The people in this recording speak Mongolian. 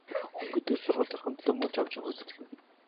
Хүн гэдэг сургуульд орохын төлөө мөн ч овжин хөөцөлдөх юм.